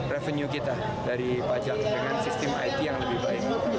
revenue kita dari pajak dengan sistem it yang lebih baik